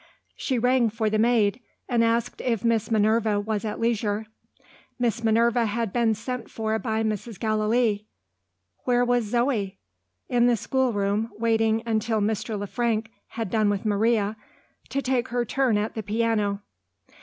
She rang for the maid, and asked if Miss Minerva was at leisure. Miss Minerva had been sent for by Mrs. Gallilee. Where was Zo? In the schoolroom, waiting until Mr. Le Frank had done with Maria, to take her turn at the piano.